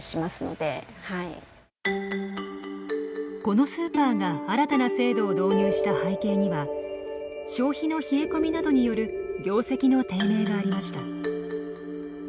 このスーパーが新たな制度を導入した背景には消費の冷え込みなどによる業績の低迷がありました。